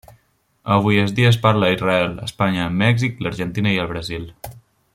Avui dia es parla a Israel, Espanya, Mèxic, l'Argentina i el Brasil.